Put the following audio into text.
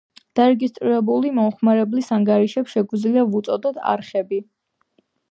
დარეგისტრირებული მომხმარებლების ანგარიშებს შეგვიძლია ვუწოდოთ „არხები“.